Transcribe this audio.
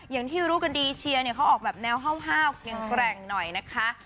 อย่างที่รู้กันดีเชียร์เนี่ยเขาออกแบบแนวห้าวแกร่งหน่อยนะคะ